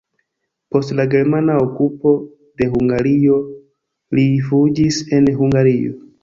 Post la germana okupo de Hungario li fuĝis el Hungario.